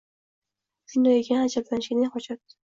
Shunday ekan ajablanishga ne hojat